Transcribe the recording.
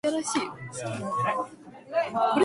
じんじをつくしててんめいをまつ